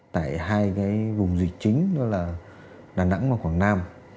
tại hai cái vùng dịch chính đó là đà nẵng và quảng nam